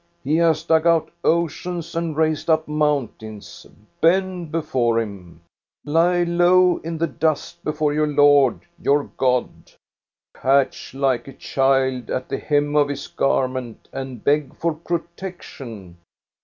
He has dug out oceans and raised up mountains. Bend before him ! Lie low in the dust before your Lord, your God ! Catch like a child at the hem of his garment and beg for protec tion